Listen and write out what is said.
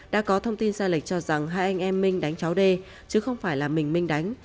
đã có thông tin sai lệch cho rằng hai anh em minh đánh cháu đê chứ không phải là mình minh đánh